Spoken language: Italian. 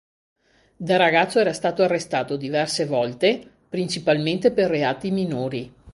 Da ragazzo era stato arrestato diverse volte, principalmente per reati minori.